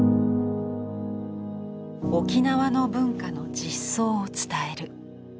沖縄の文化の実相を伝える。